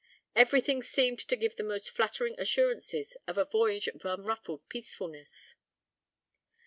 Every thing seemed to give the most flattering assurances of a voyage of unruffled peacefulness.